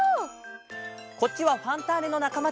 こっちは「ファンターネ！」のなかまたち。